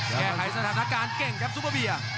แก้ไขสถานการณ์เก่งครับซุปเปอร์เบียร์